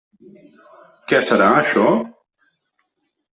Què serà això?